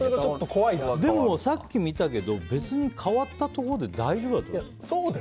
でもさっき見たけど別に変わったところで大丈夫だと思う。